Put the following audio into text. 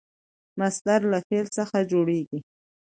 مصدر له فعل څخه جوړیږي.